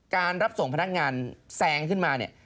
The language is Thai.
รับส่งพนักงานแซงขึ้นมาเนี่ย